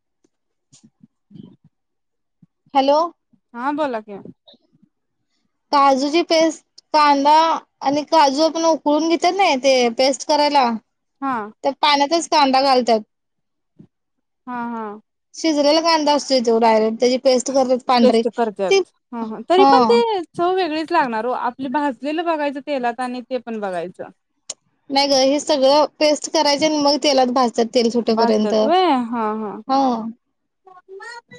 [inaudible] Hello. हा बोला कि. काजूची पेस्ट कांदा आणि काजू आपण उकळून घेतात ना ते पेस्ट करायला हा तर पाण्यातच कांदा घालतात. हा हा. शिजलेला कांदा असतोय तो डायरेक्ट. त्याची पेस्ट करतात पांढरी टेस्ट ती करत्यात तरी हा पण ती चव वेगळे लागणार आपले भाजलेलं बघायचं तेलात आणि ते पण बघायचं. नाही ग हे सगळं पेस्ट करायचे आणि मग तेलात भाजतात तेल [unintelligible] सुटेपर्यंत असत्यात होय हा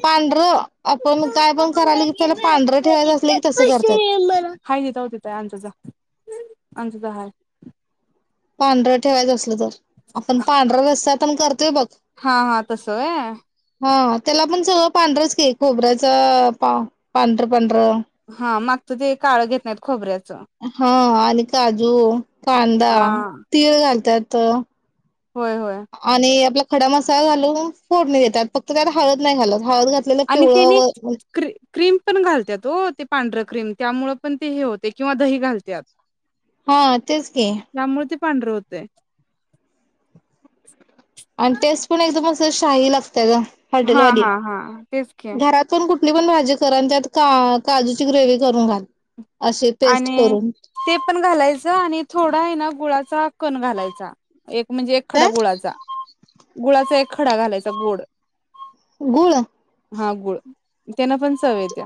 पांढरं आपण काय पण करायला की पहिला पांढरं ठेवायचं असलं की तसं करतात [unintelligible] अन जा जा हाय. पांढर ठेवायचं असल तर? आपण पांढरा रसा पण करतोय बघ हा हा तसं व्हय हा. त्याला पण सगळं पांढरंच की खोबऱ्याच पांढरं पांढरं. हा मागच ते काळं घेत नाहीत खोबऱ्या हा आणि काजू कांदा हा तीळ घालतात होय होय आणि आपला खडा मसाला घालून फोडणी देतात फक्त त्याला हळद नाही घालत हळद घातलेलं आणि तेनी पिवळं व क्रीम पण घालत्यात ओ ते पांढर क्रीम. त्यामुळ पण ते हे होतय किंवा दही घालत्यात हा तेच की पांढर होतय. आणि टेस्ट पण एकदम असं शाही लागत त्या हा हॉटेलवाली हा हा तेच की घरातून कुठ आपली पण भाजी करा आणि त्यात काजूची ग्रेवि करून घाल. अशी पेस्ट आणि करून ते पण घालायचं आणि थोडा हाय ना गुळाचा कोण घालायचा? एक म्हणजे एक खडा काय गुळाचा गुळाचा एक खडा घालायचा गोड गुळ हा गुळ. त्यांना पण चव येत्या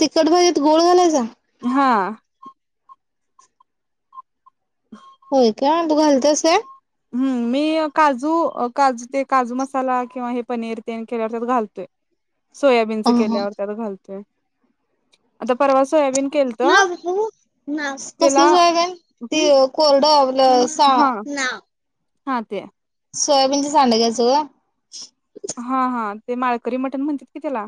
तिखट भाजीत गूळ घालायचा. हां. होय का तू घालतेस आहे. हम्म मी काजू-काजू ते काजू मसाला किंवा हे पनीर तेन केल्यावर त्यात घालतोय. ह सोयाबीनच हा केल्यावर त्याला घालते. केलत त्याला [inaudible] कोरड [unintelligible] हां ते सोयाबीनच सांडग घ्यायच का? हा हा ते माळकरी मटण म्हणत्यात की त्याला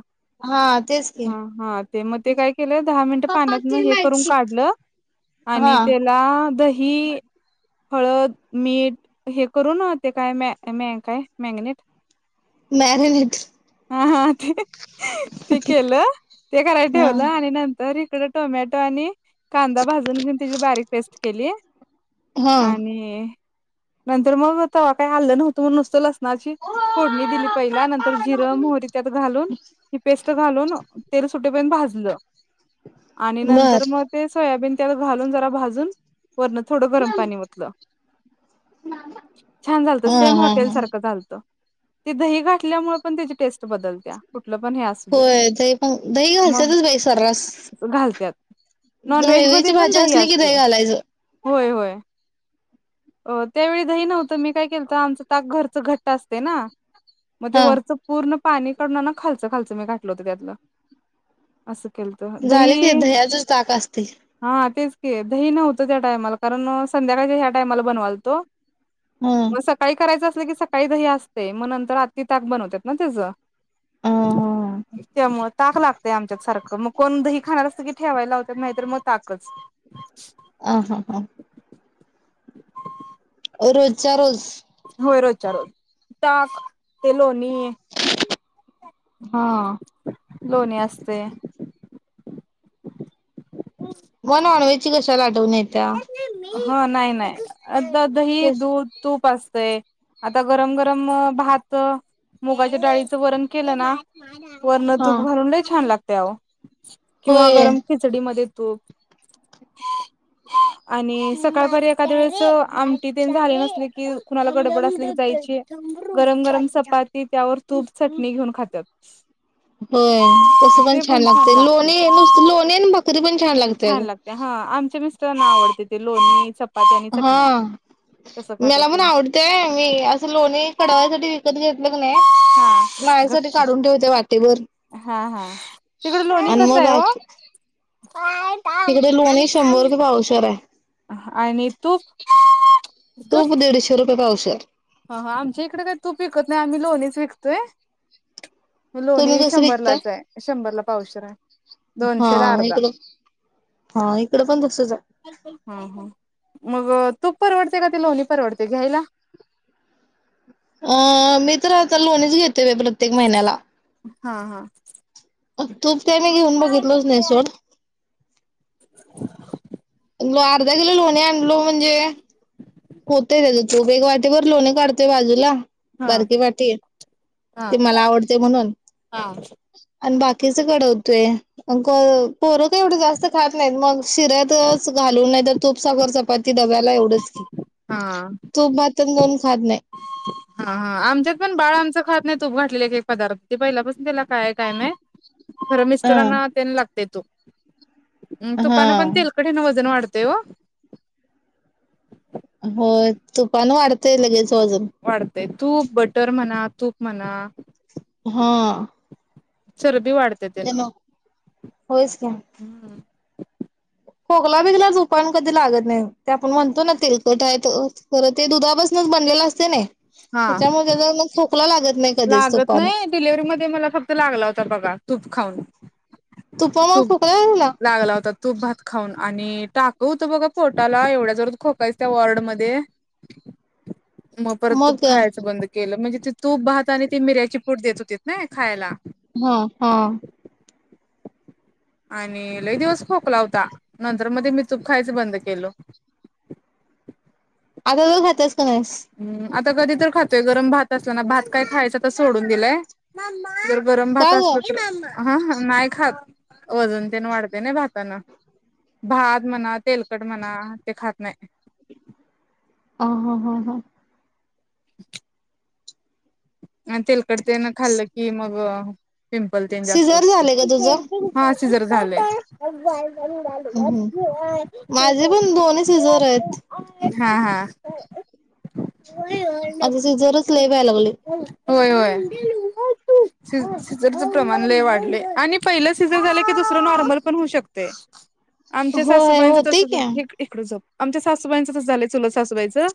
हा तेच की हा हा ते म ते काय केलं दहा मिनट पाण्यातन हे करून काढलं हा आणि त्याला दही हळद मीठ हे करून न -ते काय मॅ -मॅ काय मॅरीनेट मॅरिनेट हा हा ते- ते केलं ते करायला हा ठेवलं आणि नंतर [unintelligible] टोमॅटो आणि कांदा भाजून घेऊन तत्याची बारीक पेस्ट केलीए हा आणि नंतर मग आता काय हलल नव्हतं मग नुसतंत माझी दिली पहिला नंतर जिरं मोहरी त्यात घालून ही पेस्ट घालून तेल सुटेपर्यन्त भाजलं. आणि नंतर बर मग ते सोयाबीन त्यावर घालून जरा भाजून वरणात थोडं गरम पाणी ओतलं-छान झालत हा सेम हा हॉटेल हा सारखं झालत. ते दही घातल्यामुळे पण त्याची टेस्ट. बदलत्या कुठलं पण हे असू दे होय दही पण दही मग घालतातच बाई सर्रास घालत्यात. नॉनव्हेज मध्ये -ग्रेवीची पण भाजी असली की दही असते घालायचं. होय होय. अ त्यावेळी दही नव्हतं मी काय केलंतं आमच ताक घरच घट्ट असतय ना. म ते हा वरच पूर्ण. पाणी काढून ना खालचं खालचं मी घातलं होतं त्यातलं असं. केलंत झाले की दही दह्याचच ताक असतय. हे दही न्हवतं त्या टाइमाला कारण -संध्याकाळच्या [unintelligible] [unintelligible] बनवालत. हा मग सकाळी करायच [unintelligible] व्हय की सकाळी दही असतयं मग नंतर आत्ती ताक बनवतात ना त्यज, ह ह त्यामुळ ताक लागत आमच्यात सारखं, मग कोण दही खाणार असल की ठेवायला लावत्यात नाहीतरं मग ताकच. आ हा हा. रोजच्या रोज. वरद. चाललं, ताक ते लोणी हा लोणी असतंय. म नॉनव्हेजची कशाला आठवण येत्या. हा नाही, नाही. आता दही, तेच दूध, तूप अस व्हय आता गरम गरम भात अ मुगाच्या डाळीचं वरण केलं ना वरन हा तूप घालून लई छान लाग त्याव किंवा होय गरम खिचडीमध्ये तो आणि सकाळपारी एखाद्या वेळेस आमटी तेनं झाली नसली की खुणाला गडबड असली जायची, गरम गरम चपाती त्यावर तूप, चटणी घेऊन खात्यात. होय, तसं पण छान लागतंय, लोणी नुसत लोणी अन भा छान लागते हा, आमच्या मिस तेना आवडतं ते लोणी, चपा हा, खात्यात मला पण तेनी आवडतेय, मी असं लोणी कडवायसाठी विकत घेत मग नाय, हा माझ्या साठी गपकी काढून ठेवते वाटीभर हा हा तिकड लोणी आणि कसं मग आहे बा ओ तिकडे लोणी शंभर रु. पावशर हाय. आणि तूप, आरं गप तूप की. दीडशे [unintelligible] हा हा आमच्या इकड काय तूप विकत नाही आम्ही लोणीच विकतोय. तुम्ही लोणी कसं विकताय शंभरलाचाय, शंभरला पावशर हाय हा इकड हा इकडं पण तसच हाय. हा हा मग तूप परवड का ते लोणी परवडते घ्यायला? अ मी तर आता लोणीच घेतोय बई प्रत्ये त्येक महिन्याला हा हा [inaudible] तूप काय मी घेऊन हा बघितलोच नाही सोड अर्धा किलो लोणी आणलो म्हणजे होतय तेच तूप एक वाटीबर लोनी काढतोय बाजूला बारकीे वाटी हा ते मला आवडतय म्हणून हा आणि बाकीच कडवतोय अक पोरं का एवढं जास्त खात नाहीत मग शिऱ्यातच घालून नाही तर तूप, साखर, चपाती ते डब्याला एवढंच की हा तूप, भात आणि दोन हा हा आमच्यात पण बाळ आमच खत नाही तूप घातलेल एक एक पदार्थ ते पहिल्यापसन त्याला काय हाय काय माहित खरं अ मिस्टरांना तेन लाग देतो. म् हा तुपान पण तेलकट हेन पण वजन वाढ [unintelligible] होय तुपान वाढतंय लगेच [unintelligible] ते तूप, बटर म्हणा तूप म्हणा हा चरबी वाढत्या तेन होयच का [unintelligible] खोकला बिगला झोपण कधी लागत नाही ते आपण म्हणतो ना तेलकट हाय त खरं ते दुधापासनच बनलेलं असतय नै हा त्याच्यामुळे तेज तुला लागत नाही कधीच लागत तुपान नाही डिलव्हरी मध्ये मला फक्त लागला होता बघा तूप खाऊन तुपा मग तूप खोकला लागला होता तूप भात खाऊन आणि टाक होतं बघा पोटाला एवढ्या जरर खोकायच त्या वॉर्ड मधे मग परतू खायचं बंद केलं म्हणजे ते तूप भात आणि ती मिर्याची पूट देत होती ना खायला हा हा आणि लई दिवस खोकला होता नंतर मध्ये मी तूप खायचं बंद केलं अगोदर खात्यास पाास हम्म आता कधी तर खातोय गरम भात असला ना भात काय खायच तर सोडून दिलाय जर गरम भात का असल ग तर हा हा नाही खात वजन तेन वाढते नाही भाताानं भात म्हणा तेलकट म्हणा ते खात नाही अ हा हा हा [inaudible] [inaudible] तेलकटतेन खाल्लं की मग पिंपल तेंन जास्त सिझर उठतय. झाले का तुझं सिजर झालंय. हम्म. माझे पण दोन्ही सीझर आहेत. हा. हा. आता सिझरच लय व्हायल्यात. हो [inaudible] होय, होय, सिझरच प्रमाण लय वाढलय आणि पहिलं सिझर झालं की दुसरं नॉर्मल पण होऊ शकतय. आमच्या होय सासूबाईंचं होते तसच, की अ इकडं जप आमच्या सासूबाईंचं तसं झालंय, चुलत सासूबाईचं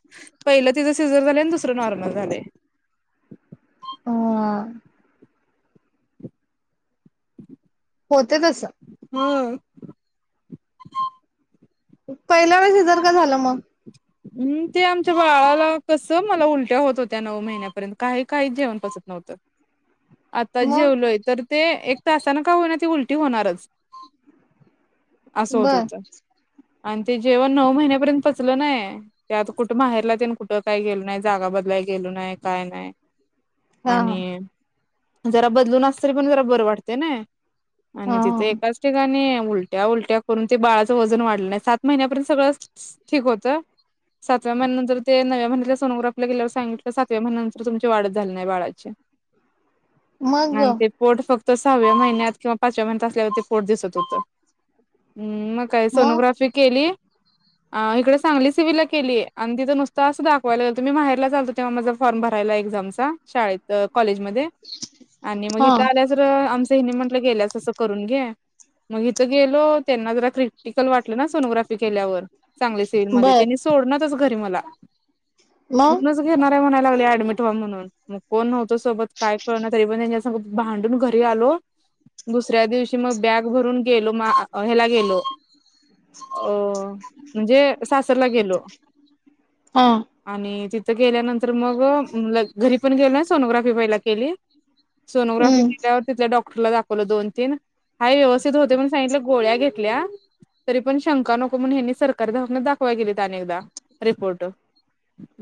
पहिलं तिचं सीझर झालंय आणि दुसरं नॉर्मल झालय. ह [inaudible] होते तसं. हम्... पहिल्या वेळेस सिजर का झालं मग? हम्म ते आमच्या बाळाला कसं मला उलट्या होत, होत्या नऊ महिन्यापर्यंत काही काही जेवण पचत नव्हतं. आता मग जेवलोय तर, ते एक तासानं का होईना ते उलट ी होणारच. असं होत बर होतं. आणि ते जेवण नऊ महिन्यापर्यंत पचलं नाही. त्यात आता कुठं माहेरला ते कुठं काय गेलो नाय, जागा बदलाय गेलो नाय काय नाय. हा हा आणि जरा बदलून असतरी पण जरा बरं वाटतय नाही. हा आणि हा तिथे एकाच ठिकाणी उलट्या उलट्या करून ते बाळाचं वजन वाढलं नाही. सात महिन्यापर्यंत सगळं ठीक होतं- सातव्या महिन्यानंतर ते नवव्या महिन्यातल्या सोनोग्राफीला गेल्यावर सांगितलं सातव्या महिन्यानंतर तुमची वाढच झाली नाही बाळाची. मग ग? आणि ते पोट फक्- ते सहाव्या महिन्यात किंवा पाचव्या महिन्यात असल्यावरती पोट दिसत होतं. हम्, मग काय मग सोनोग्राफी केली- अ.. इकडे सांगली सिव्हिल ला केली आहे आणि तिथं नुसतं असं दाखवायला गेलतो, मी माहेरला आलतो तेव्हा माझा फॉर्म भरायला एक्झामचा शाळेत- कॉलेजमध्ये आणि मग हा हिथ आल्यावर - त्येनी म्हंटल गेल्यास तसं करून घे, मग हिथ गेलो त्यांना जरा क्रिटिकल वाटलं ना सोनोग्राफी? केल्यावर- चांगले सिव्हिलमध्ये बर त्यांनीच घरी मला- मग म्हनुणच घेणार आहे, म्हणा लागलोय ऍडमिट व्हा म्हणून मग कोण नव्हतो सोबत, काय कळना तरी पण त्यांच्यासोबत भांडून घरी आलो, दुसऱ्या दिवशी मग बॅग भरून गेलो म ह्याला गेलो. अ -म्हणजे सासरला गेलो. हा. आणि तिथं गेल्यानंतर मग -घरी पण गेलो न सोनोग्राफी पहिला केली. सोनोग्राफी हम्म केल्यावर तिथ डॉ डॉक्टरला दाखवलं दोन तीन. हाय, व्यवस्थित होते पण सांगितले गोळ्या घेतल्या तरी पण शंका नको म्हणून ह्यांनी सरकारी दवाखान्यात दाखवायला नेलत आणि एकदा, रिपोर्ट.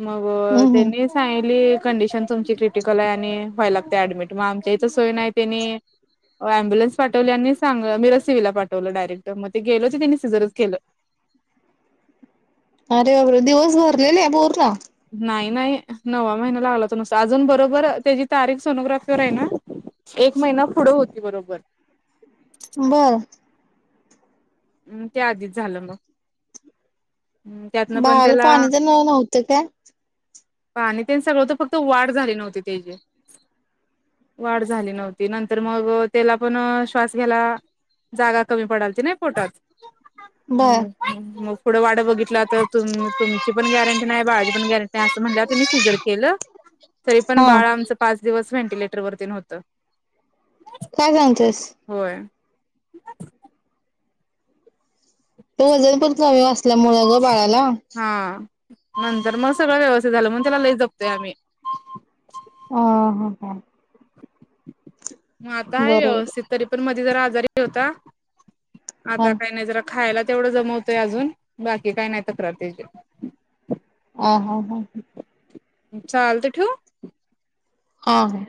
मग हम्म हम्म -त्यांनी सांगीतल- कंडिशन तुमची क्रिटिकल आहे. आणि व्हाय लागते ऍडमिट मग आमच्या इथ सोय नाही, त्यांनी अमबुलन्स पाठवली. आणि सांगल मिरजसेवेला पाठवलं डायरेक्ट. मग ते गेलो तर त्यांनी सिझरच केलं. अरे दिवस भरलेले नव्हे का? नाही नाही नववा महिना लागलेला नुकता. अजून बरोबर त्याची तारीख सोनोग्राफीवर आहे ना, एक महिना पुढे होती बरोबर. बर. हम् त्या आधीच झालं मग, त्यातनं पण बाळाला त्याला पाणी तेन नव्हतं काय? पाणी तेन सगळंत, फक्त वाढ झाली नव्हती त्याची. वाढ झाली नव्हती नंतर मग त्याला पण श्वास घ्यायला जागा कमी पडायलती ना- पोटात, बर हम्म हम् मग- पुढं वाट बघितलात तुमची पण गॅरंटी नाही, बाळाची पण गॅरंटी नाही, अस म्हटल्यावर म सिजर केलं. तरी पण हा बाळ आमच पाच दिवस व्हेंटिलेटर वरती न ते होत. काय सांगतेस. [inaudible] तो वजन पण कमी असल्यामुळं ग बाळाला. हा नंतर मग सगळं व्यवस्थित झालं. म्हणून त्याला लय जपतोय आम्ही. आ हा हा. मग आता हाय बरोबर व्यवस्थित तरी पण मधी जरा आजारी होता. हा आता काही नाही जरा खायला तेवढं दमवतोय अजून, बाकी काय नाही तक्रार त्याची. ह हा हा ह. चालतयं ठेउ? हा हा.